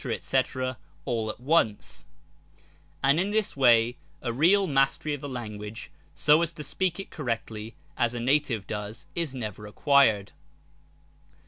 &c, all at once, And in this way a real mastery of the language, so as to speak it correctly, as a native does, is never acquired.